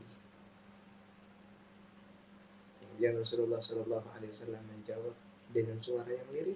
hai yang suruh suruh allah shallallahu alaihi wasallam menjawab dengan suara yang lirik